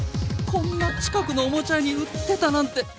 こんな近くのオモチャ屋に売ってたなんて